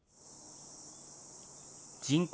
人口